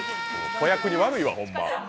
子役に悪いわ、ホンマ。